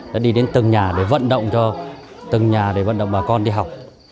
đã đi đến từng nhà để vận động cho từng nhà để vận động bà con đi học